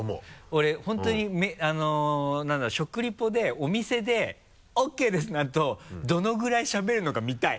俺本当に食リポでお店で「ＯＫです」のあとどのぐらいしゃべるのか見たい。